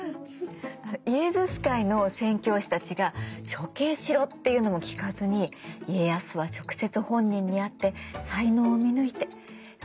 イエズス会の宣教師たちが「処刑しろ！」って言うのも聞かずに家康は直接本人に会って才能を見抜いて側近に採用する。